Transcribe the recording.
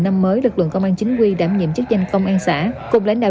năm mới lực lượng công an chính quy đám nhiệm chức danh công an xã